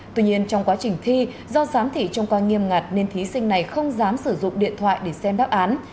tuy nhiên trong quá trình thi do giám thị trông coi nghiêm ngặt nên thí sinh này không dám sử dụng điện thoại để xem đáp án